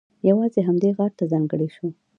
یوازې همدې غار ته ځانګړی شو.